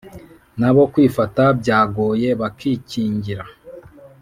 N’abo kwifata byagoye bakikingira